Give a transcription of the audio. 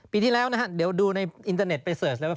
ปีที่แล้วนะฮะเดี๋ยวดูในอินเทอร์เน็ตไปเสิร์ชเลยว่า